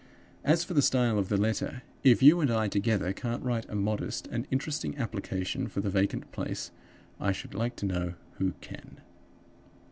As for the style of the letter, if you and I together can't write a modest and interesting application for the vacant place, I should like to know who can?